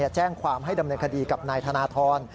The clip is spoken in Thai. แจ้งความให้ดำเนินคดีกับนายธนทร